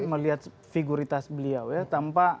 melihat figuritas beliau ya